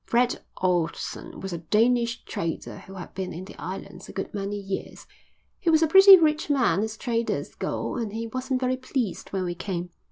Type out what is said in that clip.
"Fred Ohlson was a Danish trader who had been in the islands a good many years. He was a pretty rich man as traders go and he wasn't very pleased when we came.